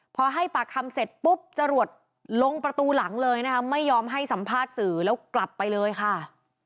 พอให้ปากคำเสร็จปุ๊บจรวดลงประตูหลังเลยนะคะไม่ยอมให้สัมภาษณ์สื่อแล้วกลับไปเลยค่ะ